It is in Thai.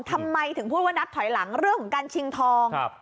ทำไมถึงพูดว่านับถอยหลังเรื่องของการชิงทอง